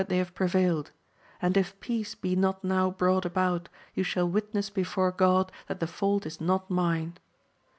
207 they have prevailed ; and if peace be not now brought about, you shall witness before Grod that the fault is not mine.